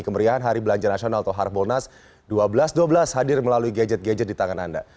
kemeriahan hari belanja nasional atau harbolnas seribu dua ratus dua belas hadir melalui gadget gadget di tangan anda